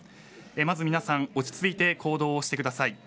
まずは皆さん落ち着いて行動してください。